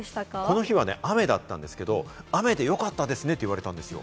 この日は雨だったんですけれども、雨でよかったですねって言われたんですよ。